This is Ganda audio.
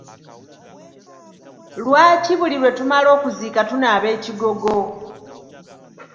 Lwaki buli lwe tumala okuziika tunaaba ekigogo?